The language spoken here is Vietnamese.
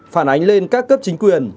phản ánh lên các cấp chính quyền